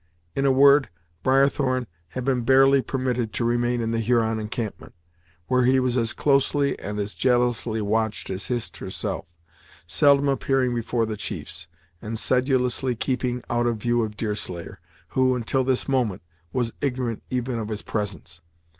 In a word, Briarthorn had been barely permitted to remain in the Huron encampment, where he was as closely and as jealously watched as Hist, herself, seldom appearing before the chiefs, and sedulously keeping out of view of Deerslayer, who, until this moment, was ignorant even of his presence.